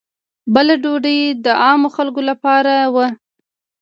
بله ډوډۍ د عامو خلکو لپاره وه.